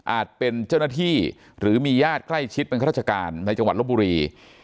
เป็นเจ้าหน้าที่หรือมีญาติใกล้ชิดเป็นข้าราชการในจังหวัดลบบุรี